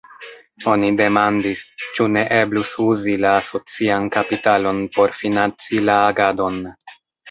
Oni demandis, ĉu ne eblus uzi la asocian kapitalon por financi la agadon.